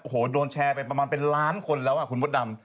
โอ้โหโดนแชร์ไปประมาณเป็นล้านคนแล้วอ่ะคุณมดดำ